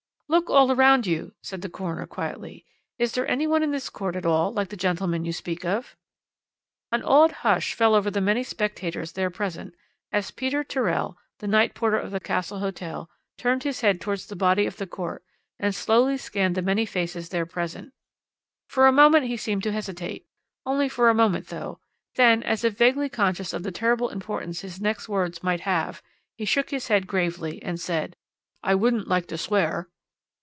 "'Look all round you,' said the coroner quietly. 'Is there any one in this court at all like the gentleman you speak of?' "An awed hush fell over the many spectators there present as Peter Tyrrell, the night porter of the Castle Hotel, turned his head towards the body of the court and slowly scanned the many faces there present; for a moment he seemed to hesitate only for a moment though, then, as if vaguely conscious of the terrible importance his next words might have, he shook his head gravely and said: "'I wouldn't like to swear.'